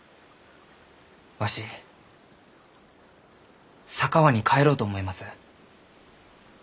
わし佐川に帰ろうと思います。